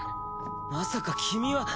まさか君は。